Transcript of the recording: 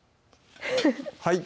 はい